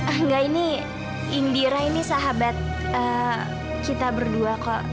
angga ini indira ini sahabat kita berdua kok